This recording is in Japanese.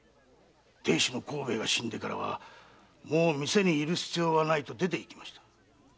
亭主の幸兵衛が死んでからは“もう店にいる必要はない”と出ていきました。